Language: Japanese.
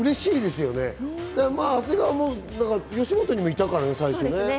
長谷川も吉本にもいたからね、最初。